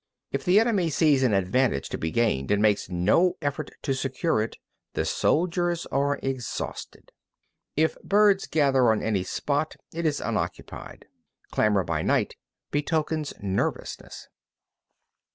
31. If the enemy sees an advantage to be gained and makes no effort to secure it, the soldiers are exhausted. 32. If birds gather on any spot, it is unoccupied. Clamour by night betokens nervousness.